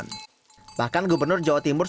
tapi se bagsanya jangan terbuka sikah diri sendiri